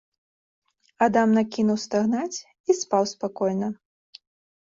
Адам накінуў стагнаць і спаў спакойна.